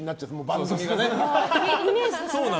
番組でね。